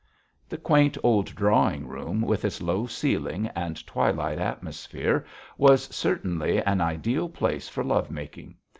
The quaint old drawing room, with its low ceiling and twilight atmosphere, was certainly an ideal place for love making.